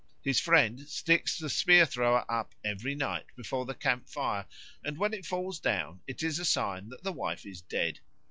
His friend sticks the spear thrower up every night before the camp fire, and when it falls down it is a sign that the wife is dead.